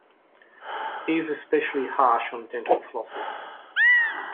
He is especially harsh on dental flossing.